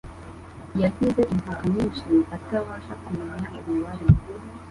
Yigize inkaka nyinshi atabasha kumenya umubare